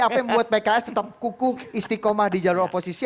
apa yang membuat pks tetap kukuh istiqomah di jalur oposisi